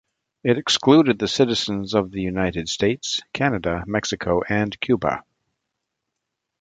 It excluded the citizens of the United States, Canada, Mexico and Cuba.